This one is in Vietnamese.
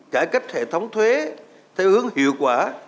cải cách hệ thống thuế theo hướng hiệu quả